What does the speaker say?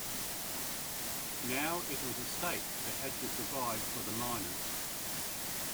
Now it was the state that had to provide for the minors.